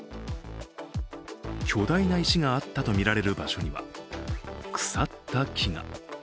巨大な石があったとみられる場所には腐った木が。